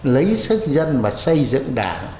lấy sức dân mà xây dựng đảng